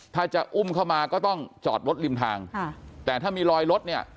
ถ้าจะอุ้มเข้ามาก็ต้องจอดรถริมทางค่ะแต่ถ้ามีรอยรถเนี่ย